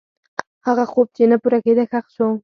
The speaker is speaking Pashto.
هغه خوب چې نه پوره کېده، ښخ شو.